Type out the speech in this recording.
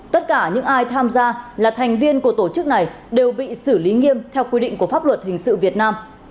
tất cả những ai tham gia là thành viên của tổ chức này đều bị xử lý nghiêm theo quy định của pháp luật hình sự việt nam